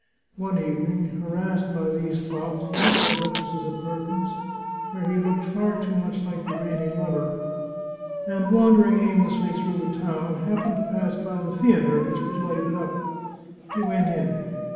One evening, harassed by these thoughts, he left the duchess's apartments, where he looked far too much like the reigning lover, and, wandering aimlessly through the town, happened to pass by the theatre, which was lighted up. He went in.